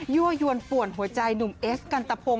ั่วยวนป่วนหัวใจหนุ่มเอสกันตะพงศ